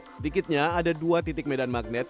sedikitnya ada dua titik medan magnet